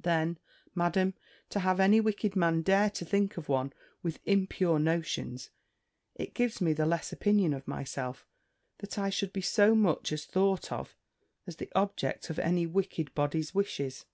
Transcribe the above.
Then, Madam, to have any wicked man dare to think of one with impure notions! It gives me the less opinion of myself, that I should be so much as thought of as the object of any wicked body's wishes.